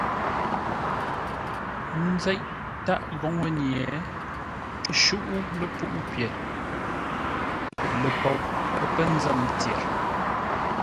Nzéʼ tâʼ góŋə́-nye, ə shúʼú lepuʼú pyêr ləpoʼ pə́ nzə́m tyer.